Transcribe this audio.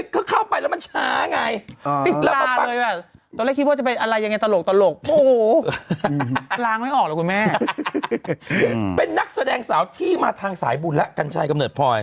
เธอต้องไปนี้ไงเธอต้องดูพระยานาธนาคุยกับฉันหน่อยสิง่ายเหมือนกัน